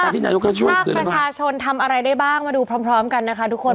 ถ้าประชาชนทำอะไรได้บ้างมาดูพร้อมกันนะคะทุกคน